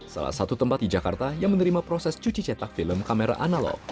salah satu tempat di jakarta yang menerima proses cuci cetak film kamera analog